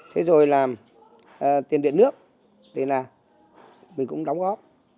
thế rồi là tiền điện nước thì là mình cũng đóng góp